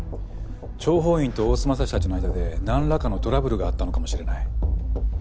諜報員と大須匡たちの間で何らかのトラブルがあったのかもしれない。